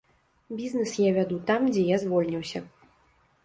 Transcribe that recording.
Бізнэс я вяду там, дзе я звольніўся.